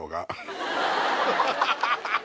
ハハハハハ！